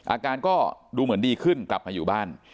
อาการก็ดูเหมือนดีขึ้นกลับมาอยู่บ้าน